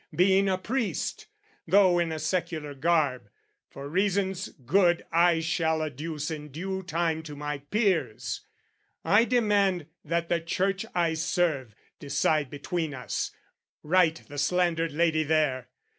Being a priest, "Though in a secular garb, for reasons good "I shall adduce in due time to my peers, "I demand that the Church I serve, decide "Between us, right the slandered lady there.